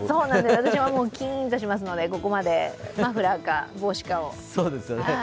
私はキーンとしますので、ここまでマフラーか、帽子か。